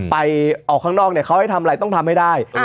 ไปออกข้างนอกเนี่ยเขาให้ทำอะไรต้องทำให้ได้